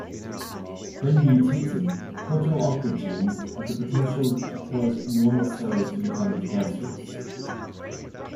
When mutated, proto-oncogenes have the potential to cause normal cells to become cancerous.